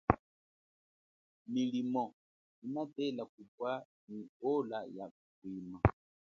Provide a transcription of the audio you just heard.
Milimo inatela kubwa nyi ola ya kuhwima.